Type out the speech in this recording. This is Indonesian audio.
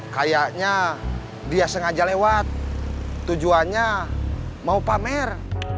kayaknya dia sengaja lewat tujuannya mau pamer